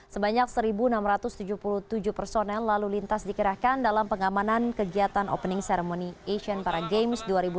sebanyak satu enam ratus tujuh puluh tujuh personel lalu lintas dikerahkan dalam pengamanan kegiatan opening ceremony asian para games dua ribu delapan belas